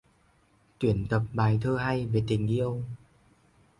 Tuyển tập bài thơ hay về Tình Yêu